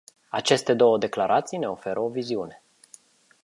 Aceste două declarații ne oferă o viziune.